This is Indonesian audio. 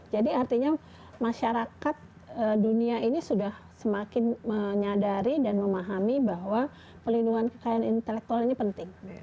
jadi artinya masyarakat dunia ini sudah semakin menyadari dan memahami bahwa pelindungan kekayaan intelektual ini penting